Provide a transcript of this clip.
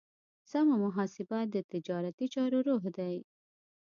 سمه محاسبه د تجارتي چارو روح دی.